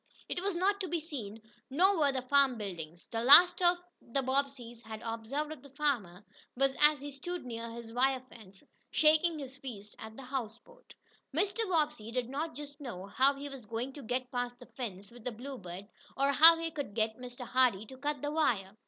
It was not to be seen, nor were the farm buildings. The last the Bobbseys had observed of the farmer was as he stood near his wire fence, shaking his fist at the houseboat. Mr. Bobbsey did not just know how he was going to get past the fence with the Bluebird, or how he could get Mr. Hardee to cut the wire.